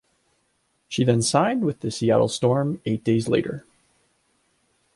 She then signed with the Seattle Storm eight days later.